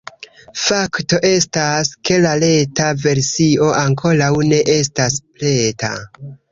Fakto estas, ke la reta versio ankoraŭ ne estas preta.